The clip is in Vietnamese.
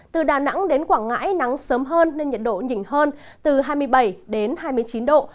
từ đà nẵng đến quảng ngãi nắng sớm hơn nên nhiệt độ nhỉnh hơn từ hai mươi bảy đến hai mươi chín độ